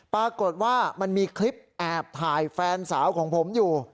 ปรากฏว่ามันมีคลิปแอบถ่ายแฟนสาวของผมอยู่